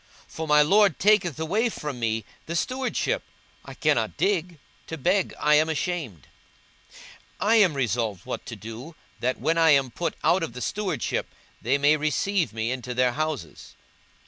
for my lord taketh away from me the stewardship: I cannot dig; to beg I am ashamed. 42:016:004 I am resolved what to do, that, when I am put out of the stewardship, they may receive me into their houses.